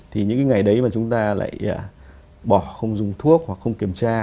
thì những cái ngày đấy mà chúng ta lại bỏ không dùng thuốc hoặc không kiểm tra